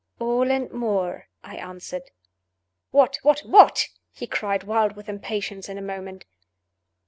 "All, and more," I answered. "What? what? what?" he cried wild with impatience in a moment.